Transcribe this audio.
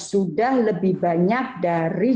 sudah lebih banyak dari